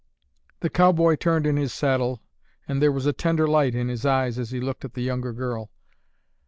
The cowboy turned in his saddle and there was a tender light in his eyes as he looked at the younger girl.